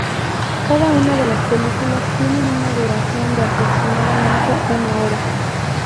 Cada una de las películas tienen una duración de aproximadamente una hora.